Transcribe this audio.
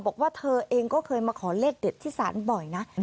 บอกว่าเธอเองก็เคยมาขอเลขเด็ดที่ศาลบ่อยนะ